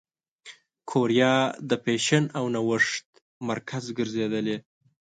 کوریا د فېشن او نوښت مرکز ګرځېدلې.